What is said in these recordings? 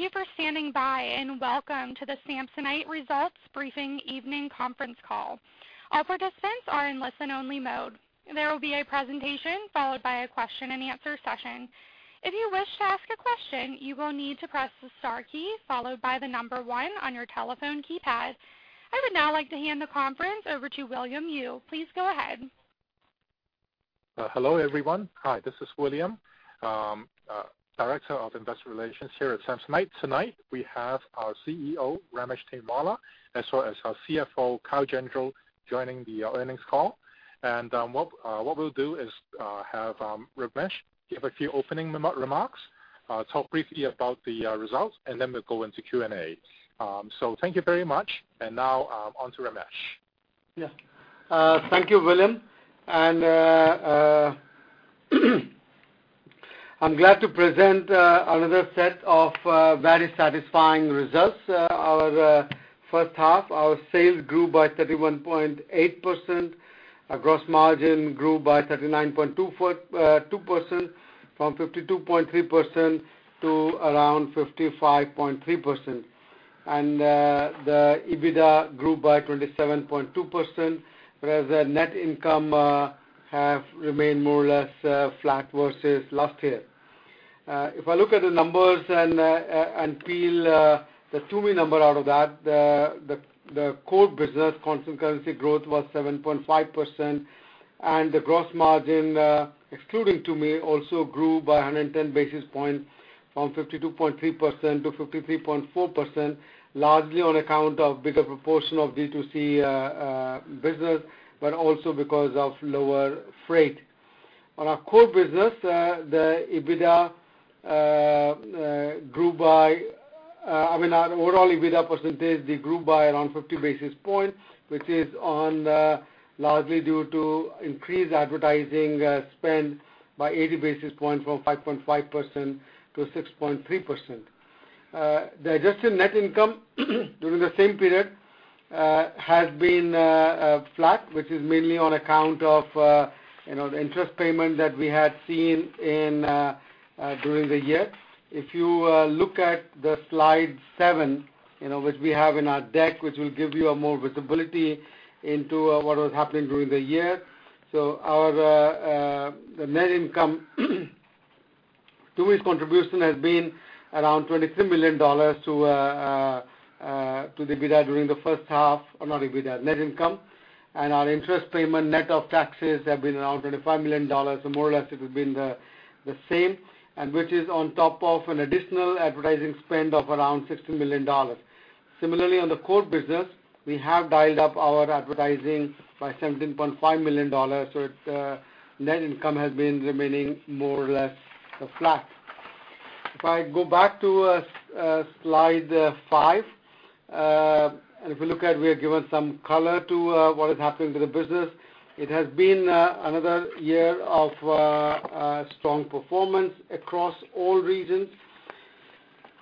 Thank you for standing by, and welcome to the Samsonite Results Briefing Evening Conference Call. All participants are in listen-only mode. There will be a presentation followed by a question and answer session. If you wish to ask a question, you will need to press the star key followed by the number one on your telephone keypad. I would now like to hand the conference over to William Yue. Please go ahead. Hello, everyone. Hi, this is William, Director of Investor Relations here at Samsonite. Tonight, we have our CEO, Ramesh Tainwala, as well as our CFO, Kyle Gendreau, joining the earnings call. What we'll do is have Ramesh give a few opening remarks, talk briefly about the results, and then we'll go into Q&A. Thank you very much. Now, on to Ramesh. Thank you, William. I'm glad to present another set of very satisfying results. Our first half, our sales grew by 31.8%. Our gross margin grew by 39.2% from 52.3% to around 55.3%. The EBITDA grew by 27.2%, whereas the net income have remained more or less flat versus last year. If I look at the numbers and peel the Tumi number out of that, the core business constant currency growth was 7.5%, and the gross margin, excluding Tumi, also grew by 110 basis points from 52.3% to 53.4%, largely on account of bigger proportion of D2C business, also because of lower freight. On our core business, the EBITDA grew by I mean, our overall EBITDA percentage, it grew by around 50 basis points, which is on largely due to increased advertising spend by 80 basis points from 5.5% to 6.3%. The adjusted net income during the same period has been flat, which is mainly on account of the interest payment that we had seen during the year. If you look at the slide seven, which we have in our deck, which will give you a more visibility into what was happening during the year. Our net income Tumi's contribution has been around $22 million to the EBITDA during the first half. Or not EBITDA, net income. Our interest payment net of taxes have been around $25 million. More or less, it has been the same, which is on top of an additional advertising spend of around $60 million. Similarly, on the core business, we have dialed up our advertising by $17.5 million, net income has been remaining more or less flat. If I go back to slide five, if you look at, we have given some color to what has happened to the business. It has been another year of strong performance across all regions.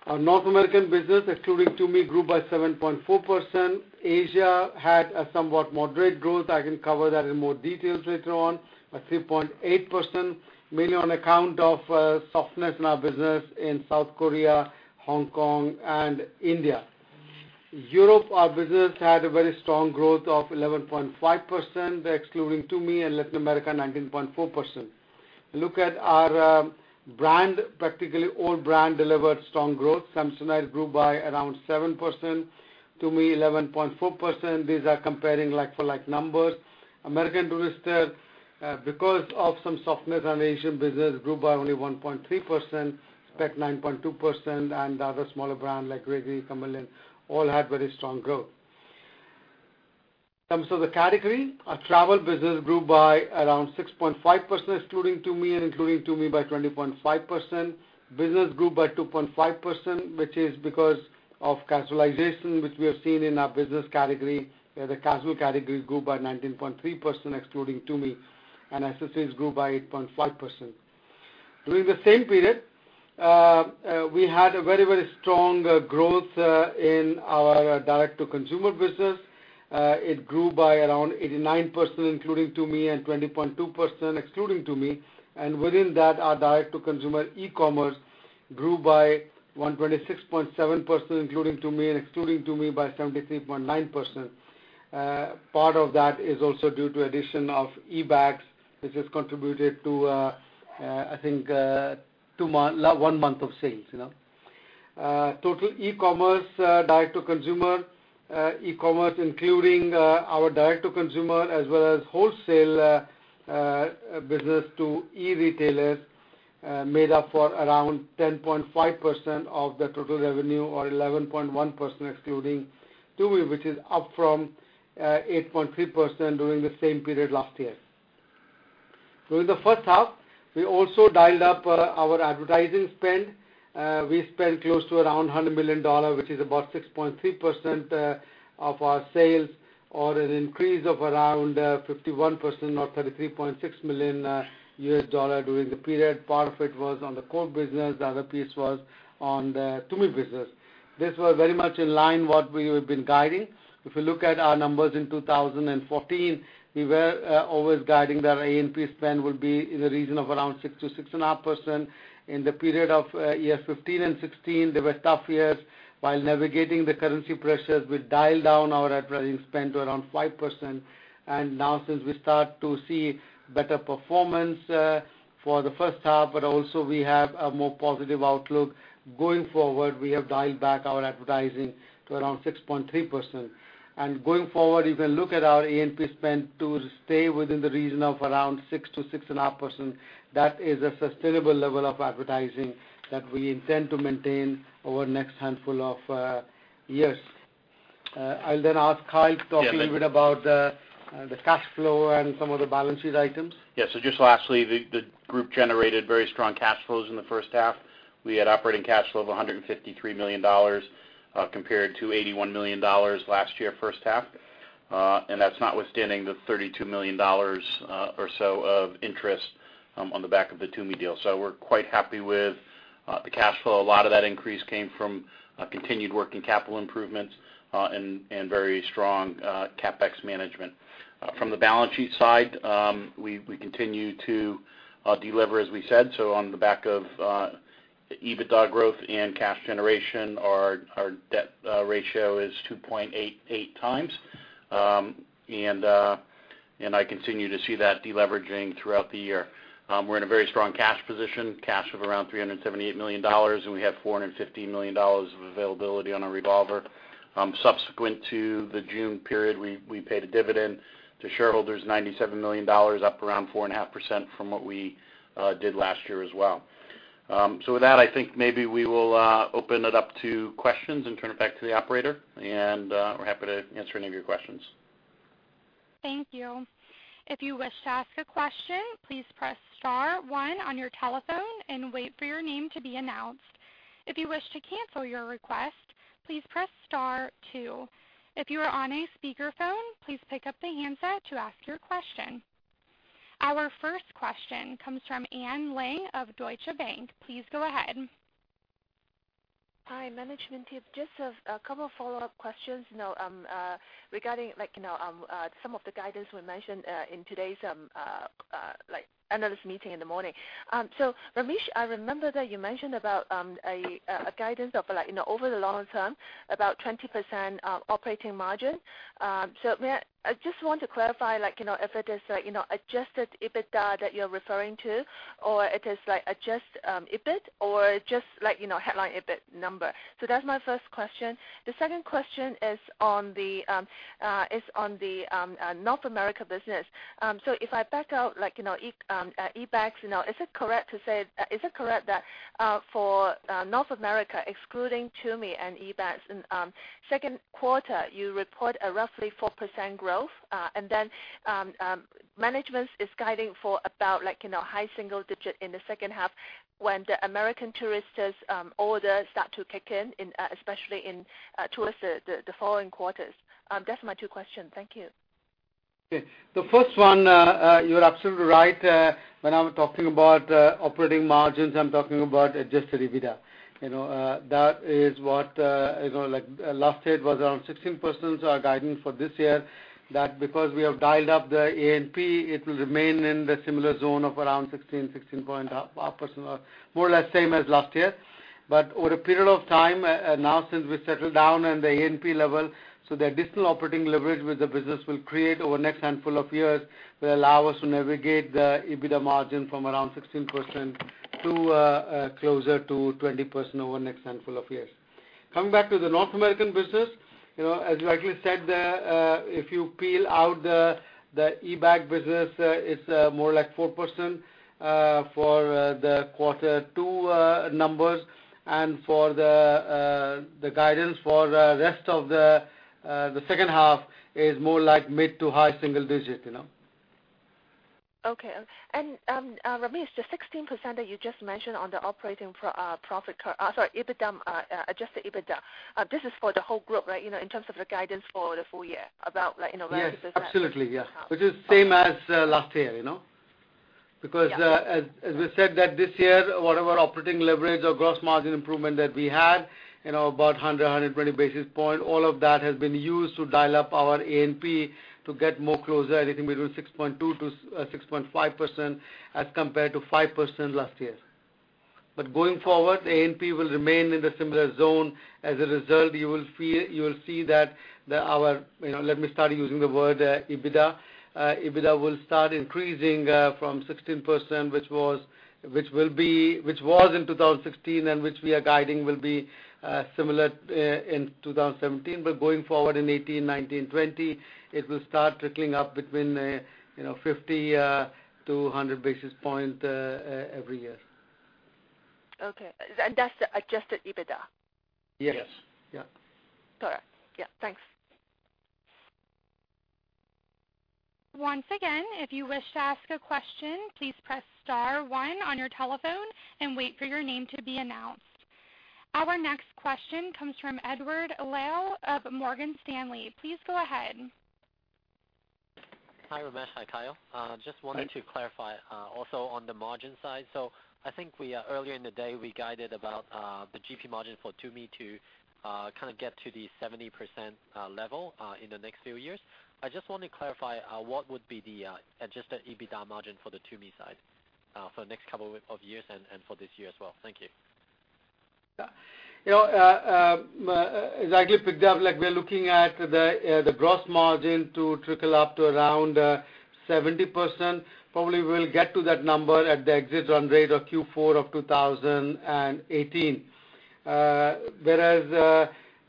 Our North American business, excluding Tumi, grew by 7.4%. Asia had a somewhat moderate growth. I can cover that in more details later on. But 3.8%, mainly on account of softness in our business in South Korea, Hong Kong, and India. Europe business had a very strong growth of 11.5%, excluding Tumi, and Latin America, 19.4%. Look at our brand. Practically all brand delivered strong growth. Samsonite grew by around 7%, Tumi 11.4%. These are comparing like for like numbers. American Tourister because of some softness on the Asian business, grew by only 1.3%, Speck 9.2%, and other smaller brand like Gregory, CamelBak all had very strong growth. In terms of the category, our travel business grew by around 6.5%, excluding Tumi, and including Tumi by 20.5%. Business grew by 2.5%, which is because of casualization, which we are seeing in our business category. The casual category grew by 19.3% excluding Tumi, and accessories grew by 8.5%. During the same period, we had a very strong growth in our direct-to-consumer business. It grew by around 89%, including Tumi, and 20.2% excluding Tumi. Within that, our direct-to-consumer e-commerce grew by 126.7% including Tumi, and excluding Tumi by 73.9%. Part of that is also due to addition of eBags, which has contributed to, I think, one month of sales. Total e-commerce, direct-to-consumer e-commerce, including our direct-to-consumer as well as wholesale business to e-retailers, made up for around 10.5% of the total revenue or 11.1% excluding Tumi, which is up from 8.3% during the same period last year. During the first half, we also dialed up our advertising spend. We spent close to around $100 million, which is about 6.3% of our sales or an increase of around 51% or $33.6 million during the period. Part of it was on the core business, the other piece was on the Tumi business. This was very much in line what we have been guiding. If you look at our numbers in 2014, we were always guiding that our AP spend would be in the region of around 6%-6.5%. In the period of year 2015 and 2016, they were tough years. While navigating the currency pressures, we dialed down our advertising spend to around 5%. Now, since we start to see better performance for the first half, but also we have a more positive outlook going forward, we have dialed back our advertising to around 6.3%. Going forward, you can look at our A&P spend to stay within the region of around 6%-6.5%. That is a sustainable level of advertising that we intend to maintain over the next handful of years. I'll then ask Kyle to- Yes talk a little bit about the cash flow and some of the balance sheet items. Yeah. Just lastly, the group generated very strong cash flows in the first half. We had operating cash flow of $153 million compared to $81 million last year first half. That's notwithstanding the $32 million or so of interest on the back of the Tumi deal. We're quite happy with the cash flow. A lot of that increase came from continued working capital improvements and very strong CapEx management. From the balance sheet side, we continue to deliver, as we said. On the back of the EBITDA growth and cash generation, our debt ratio is 2.88 times. I continue to see that deleveraging throughout the year. We're in a very strong cash position, cash of around $378 million, and we have $450 million of availability on our revolver. Subsequent to the June period, we paid a dividend to shareholders, $97 million, up around 4.5% from what we did last year as well. With that, I think maybe we will open it up to questions and turn it back to the operator, and we're happy to answer any of your questions. Thank you. If you wish to ask a question, please press *1 on your telephone and wait for your name to be announced. If you wish to cancel your request, please press *2. If you are on a speakerphone, please pick up the handset to ask your question. Our first question comes from Anne Ling of Deutsche Bank. Please go ahead. Hi, management team. Just a couple follow-up questions regarding some of the guidance we mentioned in today's analyst meeting in the morning. Ramesh, I remember that you mentioned about a guidance of over the long term, about 20% operating margin. May I-- I just want to clarify if it is adjusted EBITDA that you're referring to, or it is adjusted EBIT or just headline EBIT number. That's my first question. The second question is on the North America business. If I back out eBags, is it correct that for North America, excluding Tumi and eBags, in second quarter, you report a roughly 4% growth, and then management is guiding for about high single digit in the second half when the American Tourister orders start to kick in, especially towards the following quarters? That's my two questions. Thank you. Okay. The first one, you're absolutely right. When I'm talking about operating margins, I'm talking about adjusted EBITDA. Last year it was around 16%. Our guidance for this year, that because we have dialed up the A&P, it will remain in the similar zone of around 16%-16.5% or more or less same as last year. Over a period of time, now since we settled down in the A&P level, the additional operating leverage with the business will create over the next handful of years will allow us to navigate the EBITDA margin from around 16% to closer to 20% over the next handful of years. Coming back to the North American business, as rightly said, if you peel out the eBags business, it's more like 4% for the quarter two numbers, and for the guidance for the rest of the second half is more like mid to high single digit. Okay. Ramesh, the 16% that you just mentioned on the operating profit, sorry, adjusted EBITDA, this is for the whole group, right? In terms of the guidance for the full year, about. Yes. Absolutely. Yes. percent. Which is same as last year. Yeah. As we said that this year, whatever operating leverage or gross margin improvement that we had, about 100, 120 basis points, all of that has been used to dial up our A&P to get more closer, anything between 6.2%-6.5% as compared to 5% last year. Going forward, A&P will remain in the similar zone. As a result, you will see that our, let me start using the word EBITDA. EBITDA will start increasing from 16%, which was in 2016 and which we are guiding will be similar in 2017. Going forward in 2018, 2019, 2020, it will start trickling up between 50 to 100 basis points every year. Okay. That's adjusted EBITDA? Yes. Yes. Yeah. Got it. Yeah, thanks. Once again, if you wish to ask a question, please press star 1 on your telephone and wait for your name to be announced. Our next question comes from Edward Leo of Morgan Stanley. Please go ahead. Hi, Ramesh. Hi, Kyle. Just wanted to clarify also on the margin side. I think earlier in the day, we guided about the GP margin for Tumi to kind of get to the 70% level in the next few years. I just want to clarify what would be the adjusted EBITDA margin for the Tumi side for the next couple of years and for this year as well? Thank you. As I give the depth, we're looking at the gross margin to trickle up to around 70%. Probably we'll get to that number at the exit run rate of Q4 of 2018. Whereas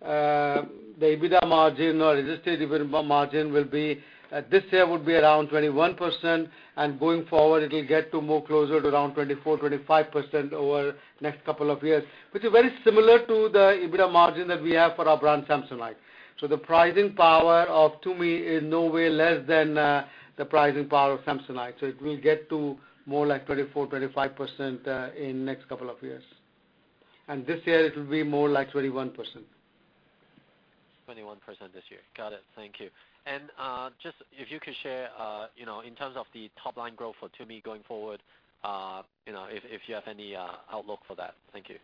the EBITDA margin or adjusted EBITDA margin this year would be around 21%, and going forward, it'll get to more closer to around 24%, 25% over the next couple of years, which is very similar to the EBITDA margin that we have for our brand Samsonite. The pricing power of Tumi is in no way less than the pricing power of Samsonite. It will get to more like 24%, 25% in the next couple of years. This year it will be more like 21%. 21% this year. Got it. Thank you. Just if you could share in terms of the top-line growth for Tumi going forward, if you have any outlook for that. Thank you.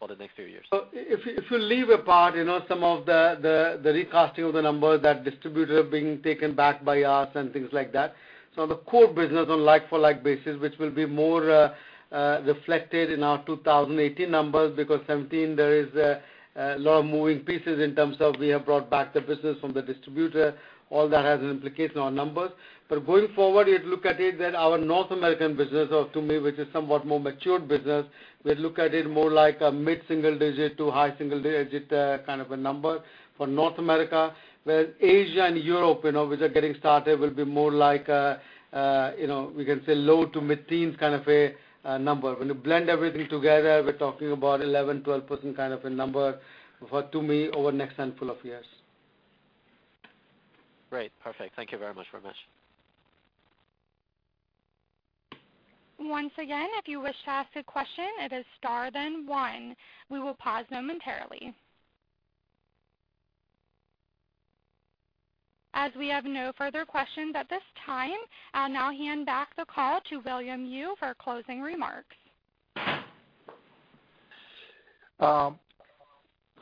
For the next few years. If you leave apart some of the recasting of the numbers, that distributor being taken back by us, and things like that. The core business on like-for-like basis, which will be more reflected in our 2018 numbers, because 2017 there is a lot of moving pieces in terms of we have brought back the business from the distributor. All that has an implication on numbers. Going forward, if you look at it, our North American business of Tumi, which is somewhat more matured business, we look at it more like a mid-single digit to high single-digit kind of a number for North America. Whereas Asia and Europe, which are getting started, will be more like, we can say low to mid-teens kind of a number. When you blend everything together, we're talking about 11%, 12% kind of a number for Tumi over the next handful of years. Great. Perfect. Thank you very much, Ramesh. Once again, if you wish to ask a question, it is star then one. We will pause momentarily. As we have no further questions at this time, I'll now hand back the call to William Yue for closing remarks.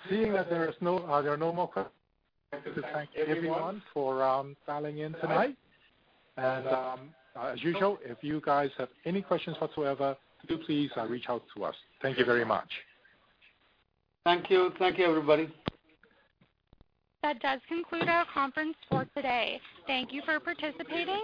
Seeing that there are no more questions, I'd like to thank everyone for dialing in tonight. As usual, if you guys have any questions whatsoever, do please reach out to us. Thank you very much. Thank you. Thank you, everybody. That does conclude our conference for today. Thank you for participating.